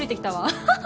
アハハ！